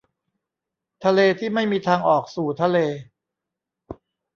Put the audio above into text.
ทะเลที่ไม่มีทางออกสู่ทะเล